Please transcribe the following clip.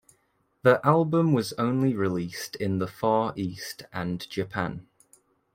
The album was only released in the Far East and Japan.